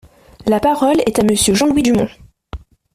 La parole est à Monsieur Jean-Louis Dumont.